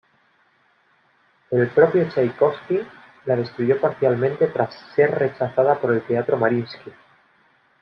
El propio Chaikovski la destruyó parcialmente tras ser rechazada por el Teatro Mariinski.